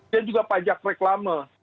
dan juga pajak reklama